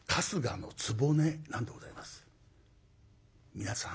皆さん